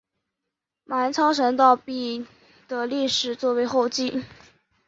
马文操神道碑的历史年代为后晋。